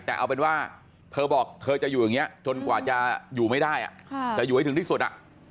แต่เอาเป็นว่าเธอบอกเธอจะอยู่อย่างนี้จนกว่าจะอยู่ไม่ได้จะอยู่ให้ถึงที่สุด